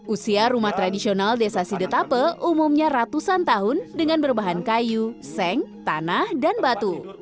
usia rumah tradisional desa sidetape umumnya ratusan tahun dengan berbahan kayu seng tanah dan batu